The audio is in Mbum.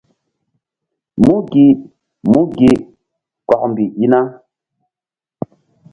Mú gi! Mú gi! Kɔkmbih i na.